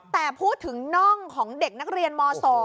แต่พูดถึงน่องของเด็กนักเรียนม๒